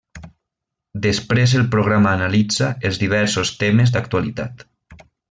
Després el programa analitza els diversos temes d'actualitat.